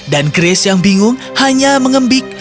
dan grace yang bingung hanya mengembik